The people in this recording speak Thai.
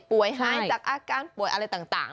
หายจากอาการป่วยอะไรต่าง